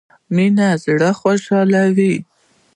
مينه زړه خوشحالوي